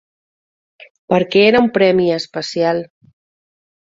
Per què era un premi especial?